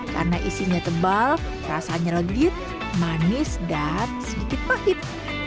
karena isinya tebal rasanya legit manis dan sedikit pahit